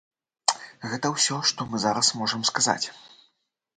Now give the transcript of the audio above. Гэта ўсё, што мы зараз можам сказаць.